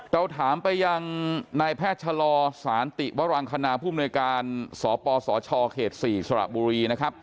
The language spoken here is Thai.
เราถามไปอย่างนายแพทย์ชะลอสติวรังคณาผู้มนุยการสปสชเขต๔สละบุรี